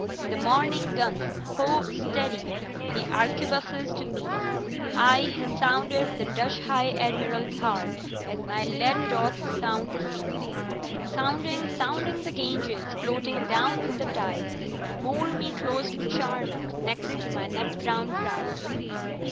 "The morning gun—Ho, steady! the arquebuses to me! I ha' sounded the Dutch High Admiral's heart as my lead doth sound the sea. "Sounding, sounding the Ganges, floating down with the tide, Moore me close to Charnock, next to my nut brown bride.